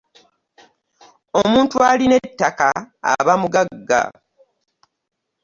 Omuntu alina ettaka aba muggaga.